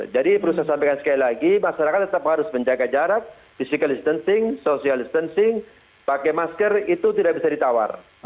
jadi perlu saya sampaikan sekali lagi masyarakat tetap harus menjaga jarak physical distancing social distancing pakai masker itu tidak bisa ditawarkan